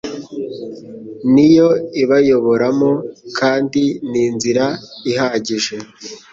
ni yo ibayoboramo, kandi ni inzira ihagije